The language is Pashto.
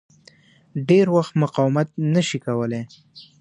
ډېر وخت مقاومت نه شي کولای.